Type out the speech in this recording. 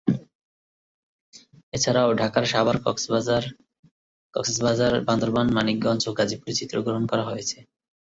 এছাড়াও ঢাকার সাভার, কক্সবাজার, বান্দরবান, মানিকগঞ্জ ও গাজীপুরে চিত্রগ্রহণ করা হয়েছে।